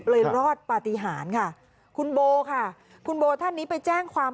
รอดปฏิหารค่ะคุณโบค่ะคุณโบท่านนี้ไปแจ้งความ